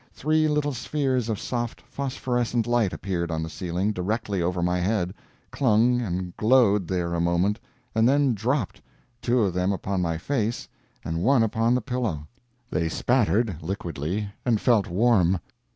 Three little spheres of soft phosphorescent light appeared on the ceiling directly over my head, clung and glowed there a moment, and then dropped two of them upon my face and one upon the pillow. They spattered, liquidly, and felt warm.